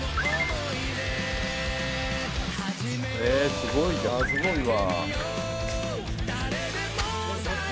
すごいわ。